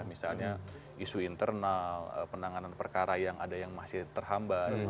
misalnya isu internal penanganan perkara yang ada yang masih terhambai